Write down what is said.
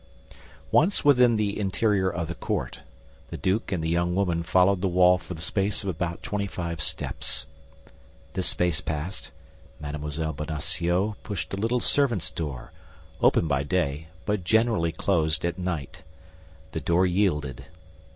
Once within the interior of the court, the duke and the young woman followed the wall for the space of about twenty five steps. This space passed, Mme. Bonacieux pushed a little servants' door, open by day but generally closed at night. The door yielded.